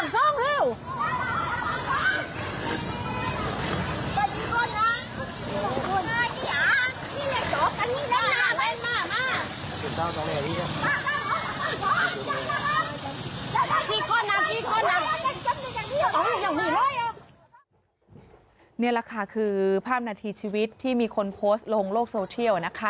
ความนาฬิกีข้อน้ำวินาทีชีวิตที่มีคนโพสต์ลงโลกโซเทียลนะคะ